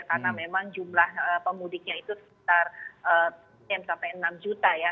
karena memang jumlah pemudiknya itu sekitar enam juta ya